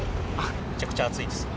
めちゃくちゃ暑いですね。